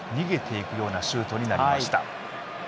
逃げていくようなシュートになりました。